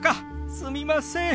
すみません。